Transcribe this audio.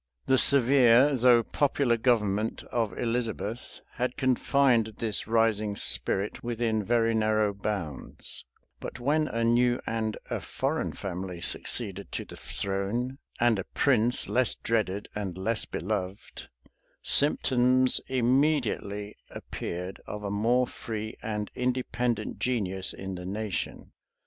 The severe, though popular government of Elizabeth had confined this rising spirit within very narrow bounds; but when a new and a foreign family succeeded to the throne, and a prince less dreaded and less beloved, symptoms immediately appeared of a more free and independent genius in the nation.